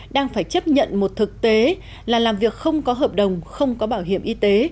đang phải chấp nhận một thực tế là làm việc không có hợp đồng không có bảo hiểm y tế